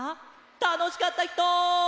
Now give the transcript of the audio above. たのしかったひと！